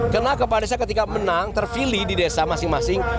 karena kepala desa ketika menang terfili di desa masing masing